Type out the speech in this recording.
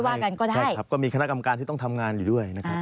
เมื่อก็จะมีคณะกำการที่ต้องทำงานอยู่ด้วย